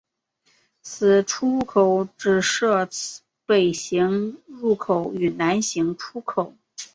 此出入口只设北行入口与南行出口。